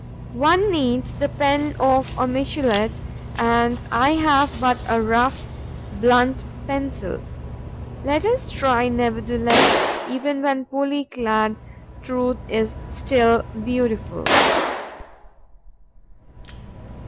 One needs the pen of a Michelet; and I have but a rough, blunt pencil. Let us try, nevertheless: even when poorly clad, truth is still beautiful.